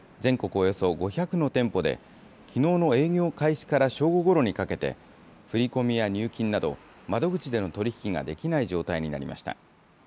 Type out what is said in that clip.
およそ５００の店舗で、きのうの営業開始から正午ごろにかけて、振り込みや入金など、窓口での取り引きができない状態になりました。